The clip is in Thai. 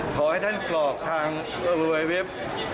ขอให้ท่านกรอกทางออนไลน์เว็บ